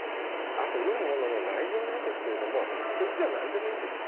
あと読むものの内容なんですけれどもこれ実は何でもいいんです。